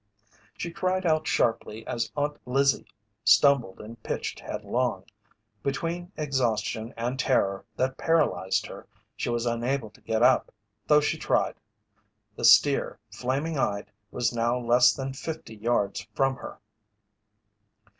She cried out sharply as Aunt Lizzie stumbled and pitched headlong. Between exhaustion and terror that paralyzed her she was unable to get up, though she tried. The steer, flaming eyed, was now less than fifty yards from her.